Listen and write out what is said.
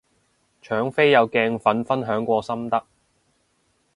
搶飛有鏡粉分享過心得